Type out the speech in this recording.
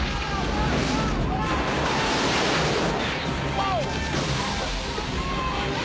ワオ！